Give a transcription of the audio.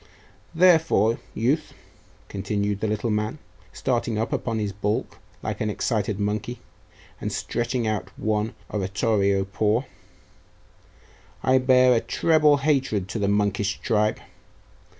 Therefore, youth,' continued the little man, starting up upon his baulk like an excited monkey, and stretching out one oratorio paw, 'I bear a treble hatred to the monkish tribe.